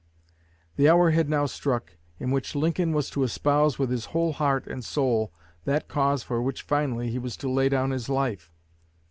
The hour had now struck in which Lincoln was to espouse with his whole heart and soul that cause for which finally he was to lay down his life.